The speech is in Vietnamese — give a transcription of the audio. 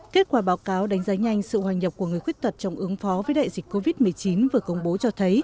kết quả báo cáo đánh giá nhanh sự hoành nhập của người khuyết tật trong ứng phó với đại dịch covid một mươi chín vừa công bố cho thấy